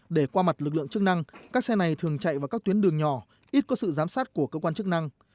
để qua mặt lực lượng chức năng các xe này thường chạy vào các tuyến đường nhỏ ít có sự giám sát của cơ quan chức năng